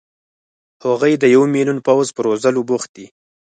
هغوی د یو ملیون پوځ په روزلو بوخت دي.